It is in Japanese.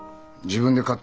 自分で？